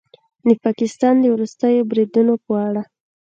د پاکستان د وروستیو بریدونو په اړه